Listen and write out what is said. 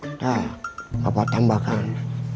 kita bapak tambahkan